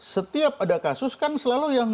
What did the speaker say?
setiap ada kasus kan selalu yang